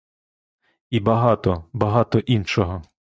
І багато, багато іншого.